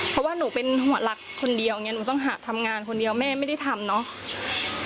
เพราะว่าหนูเป็นหัวหลักคนเดียวอย่างนี้หนูต้องหาทำงานคนเดียวแม่ไม่ได้ทำเนาะ